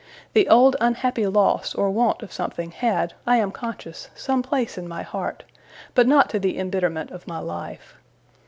The old unhappy loss or want of something had, I am conscious, some place in my heart; but not to the embitterment of my life.